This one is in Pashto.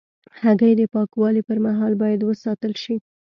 هګۍ د پاکوالي پر مهال باید وساتل شي.